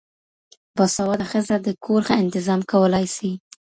باسواده ښځه د کور ښه انتظام کولای سي